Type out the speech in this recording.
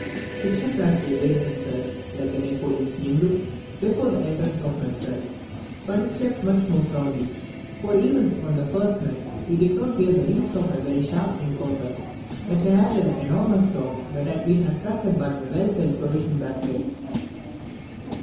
The cheprasse laid himself, like Napoleon's Mameluke, before the entrance of my cell; but he slept much more soundly, for, even on the first night, he did not hear the least of a very sharp encounter which I had with an enormous dog that had been attracted by my well filled provision basket.